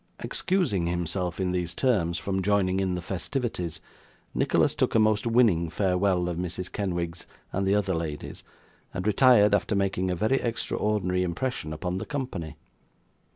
Excusing himself, in these terms, from joining in the festivities, Nicholas took a most winning farewell of Mrs. Kenwigs and the other ladies, and retired, after making a very extraordinary impression upon the company.